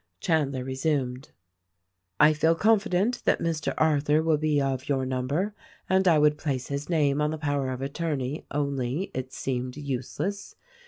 Chandler resumed. "I feel confident that Mr. Arthur will be of your number, and I would place his name on the power of attorney, only, it seemed useless.